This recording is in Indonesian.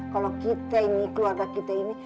kalau kita ini keluarga kita ini